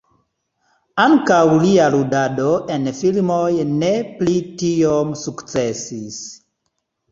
Ankaŭ lia ludado en filmoj ne pli tiom sukcesis.